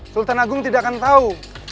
sultan agung tidak akan tahu